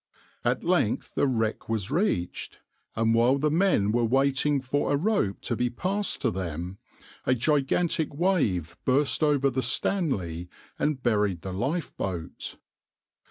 At length the wreck was reached, and while the men were waiting for a rope to be passed to them, a gigantic wave burst over the {\itshape{Stanley}} and buried the lifeboat.